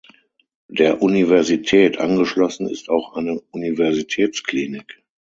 Der Universität angeschlossen ist auch eine Universitätsklinik.